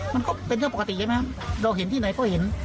มันก็เป็นเรื่องปกติใช่ไหมเราเห็นที่ไหนก็เห็น